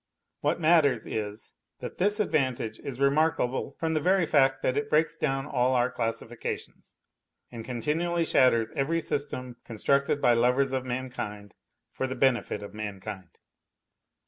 What matters is, that this advantage is remarkable from the very fact that it breaks down all our classifications, and con tinually shatters every system constructed by lovers of mankind for the benefit of mankind.